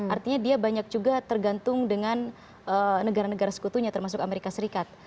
artinya dia banyak juga tergantung dengan negara negara sekutunya termasuk amerika serikat